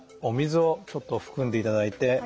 お水をちょっと含んでいただいて。